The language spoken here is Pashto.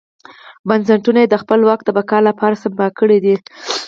بنسټونه یې د خپل واک د بقا لپاره سمبال کړي دي.